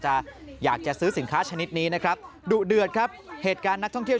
จะอยากจะซื้อสินค้าชนิดนี้นะครับดุเดือดครับเหตุการณ์นักท่องเที่ยว